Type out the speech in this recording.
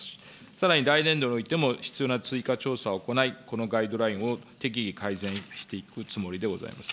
さらに来年度においても、必要な追加調査を行い、このガイドラインを適宜改善していくつもりでございます。